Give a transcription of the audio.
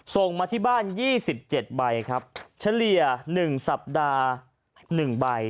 ส่งมาที่บ้านยี่สิบเจ็ดใบครับเฉลี่ยหนึ่งสัปดาห์หนึ่งใบ